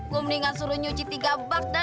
gua mendingan suruh nyuci tiga bak dah